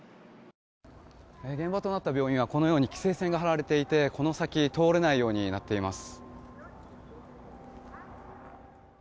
現場となった病院は規制線が張られていてこの先通れないようになっています。